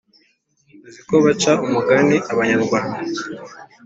uzi ko baca umugani abanyarwanda